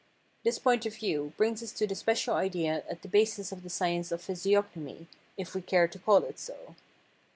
This point of view brings us to the special idea at the basis of the science of physiognomy — if we care to call it so.